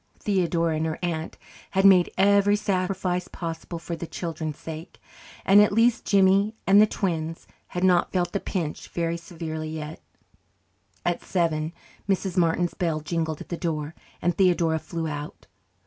Theodora and her aunt had made every sacrifice possible for the children's sake, and at least Jimmy and the twins had not felt the pinch very severely yet. At seven Mrs. Martins bells jingled at the door and Theodora flew out.